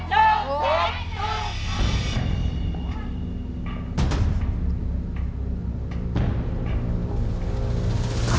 ถูก